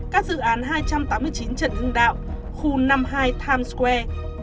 các dự án hai trăm tám mươi chín trần hưng đạo khu năm mươi hai times square